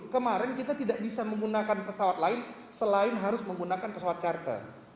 kemarin kita tidak bisa menggunakan pesawat lain selain harus menggunakan pesawat charter